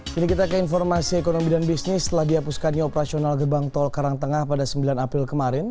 kini kita ke informasi ekonomi dan bisnis setelah dihapuskannya operasional gerbang tol karangtengah pada sembilan april kemarin